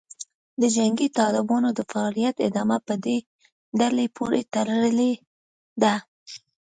د جنګي طالبانو د فعالیت ادامه په دې ډلې پورې تړلې ده